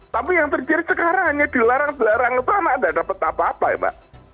tapi yang terjadi sekarang hanya dilarang dilarang itu anak tidak dapat apa apa ya mbak